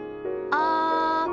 「あ」。